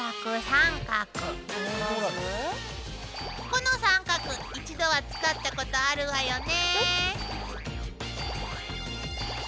この三角一度は使ったことあるわよね。